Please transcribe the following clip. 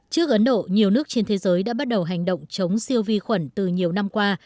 trước ấn độ nhiều nước trên thế giới đã bắt đầu hành động chống siêu vi khuẩn từ nhiều năm qua